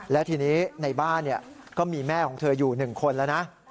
แล้วทีนี้ในบ้านก็มีแม่ของเธออยู่๑คนแล้วนะ